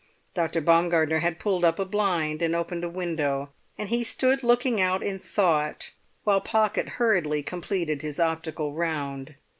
Dr. Baumgartner had pulled up a blind and opened a window, and he stood looking out in thought while Pocket hurriedly completed his optical round.